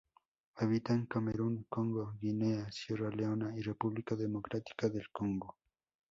Habita en Camerún, Congo, Guinea, Sierra Leona, y República Democrática del Congo.